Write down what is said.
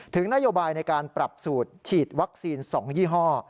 นโยบายในการปรับสูตรฉีดวัคซีน๒ยี่ห้อ